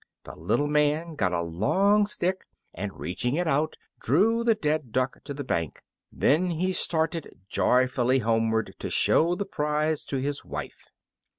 The little man got a long stick, and, reaching it out, drew the dead duck to the bank. Then he started joyfully homeward to show the prize to his wife.